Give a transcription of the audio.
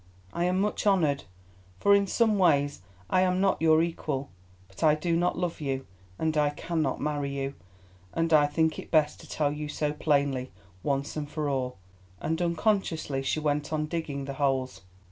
I am much honoured, for in some ways I am not your equal, but I do not love you, and I cannot marry you, and I think it best to tell you so plainly, once and for all," and unconsciously she went on digging the holes.